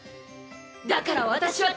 「だから私は」。